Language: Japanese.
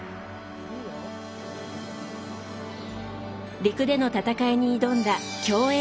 陸での戦いに挑んだ競泳の王者。